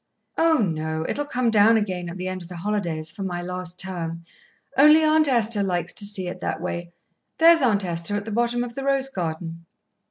"Oh, no. It'll come down again at the end of the holidays, for my last term. Only Aunt Esther likes to see it that way. There's Aunt Esther, at the bottom of the rose garden."